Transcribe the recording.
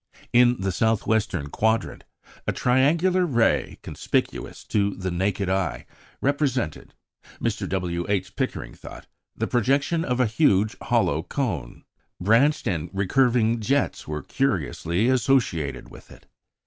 In the south western quadrant, a triangular ray, conspicuous to the naked eye, represented, Mr. W. H. Pickering thought, the projection of a huge, hollow cone. Branched and recurving jets were curiously associated with it.